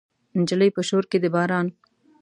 نجلۍ په شور کې د باران